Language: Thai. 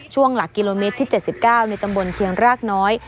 หลักกิโลเมตรที่๗๙ในตำบลเชียงรากน้อย